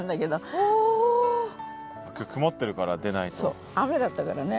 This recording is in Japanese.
そう雨だったからね。